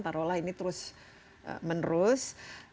parolah ini terus menerus